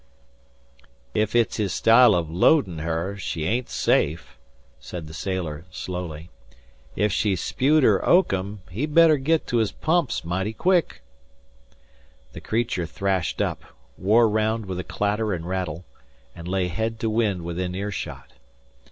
"Ef it's his style o' loadin' her she ain't safe," said the sailor slowly. "Ef she's spewed her oakum he'd better git to his pumps mighty quick." The creature threshed up, wore round with a clatter and raffle, and lay head to wind within ear shot.